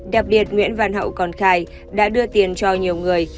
đặc biệt nguyễn văn hậu còn khai đã đưa tiền cho nhiều người